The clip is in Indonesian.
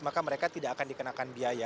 maka mereka tidak akan dikenakan biaya